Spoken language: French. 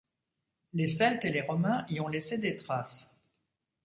Les Celtes et les Romains y ont laissé des traces.